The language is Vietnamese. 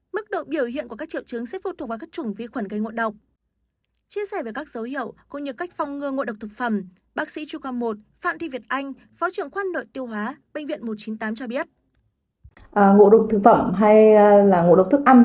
mức độ biểu hiện của các triệu chứng sẽ phụ thuộc vào các chủng vi khuẩn gây ngồi đọc